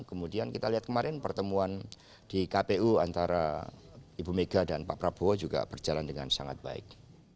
kemudian kita lihat kemarin pertemuan di kpu antara ibu mega dan pak prabowo juga berjalan dengan sangat baik